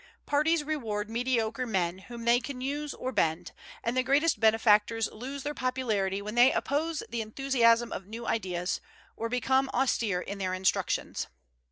Parties reward mediocre men, whom they can use or bend; and the greatest benefactors lose their popularity when they oppose the enthusiasm of new ideas, or become austere in their instructions.